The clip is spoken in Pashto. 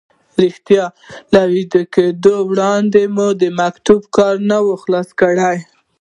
رښتیا له ویده کېدو وړاندې مو د مکتوب کار نه و خلاص کړی.